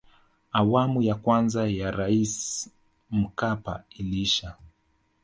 awamu ya kwanza ya raisi mkapa iliisha